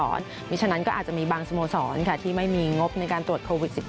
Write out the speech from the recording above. เพราะฉะนั้นก็อาจจะมีบางสโมสรที่ไม่มีงบในการตรวจโควิด๑๙